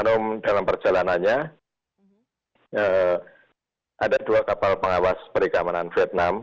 hanum dalam perjalanannya ada dua kapal pengawas perikamanan vietnam